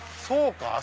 そうか！